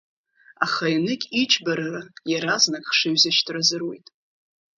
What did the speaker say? Аха Еныкь иџьбарара иаразнак хшыҩзышьҭра азыруит.